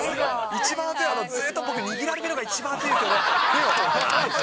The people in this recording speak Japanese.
一番あついのは、ずっと、僕、握られてるのが、一番あついんですよね。